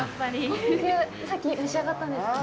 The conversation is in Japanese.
さっき召し上がったんですか。